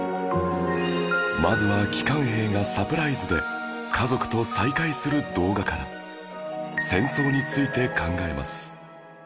まずは帰還兵がサプライズで家族と再会する動画から戦争について考えます